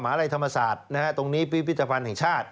เหมาเลธรรมศาสตร์ตรงนี้ปิสริสรฟันธ์แห่งชาติ